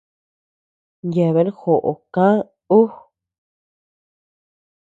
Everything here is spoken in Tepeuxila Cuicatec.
Yeabean joʼo kä ú.